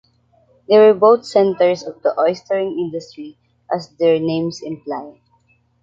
They were both centers of the oystering industry, as their names imply.